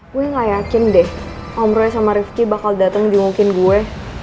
gue gak yakin deh om roy sama rifki bakal dateng dimukin gue